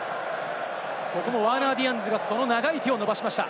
ここもワーナー・ディアンズがその長い手を伸ばしました。